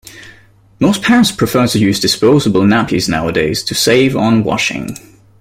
Most parents prefer to use disposable nappies nowadays, to save on washing